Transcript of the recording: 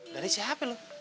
dari siapa lo